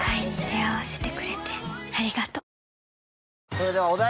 それではお題